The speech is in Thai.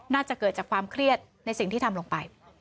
น่าจะเกิดจากความเครียดในสิ่งที่ทำลงไป